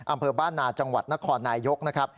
อำเภอบ้านนาจังหวัดนครนายยก